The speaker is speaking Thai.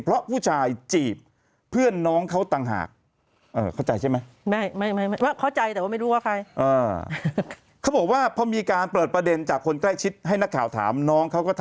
เพราะผู้ชายจีบเพื่อนน้องเขาต่างหาก